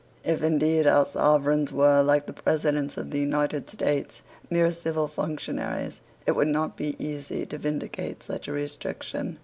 If, indeed, our sovereigns were, like the Presidents of the United States, mere civil functionaries, it would not be easy to vindicate such a restriction.